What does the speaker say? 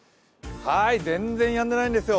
全然やんでないんですよ。